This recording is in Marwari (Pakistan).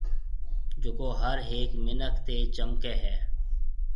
جڪو هر هيڪ منِک تي چمڪَي هيَ۔